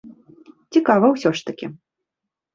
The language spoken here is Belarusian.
Цікава ўсё ж такі.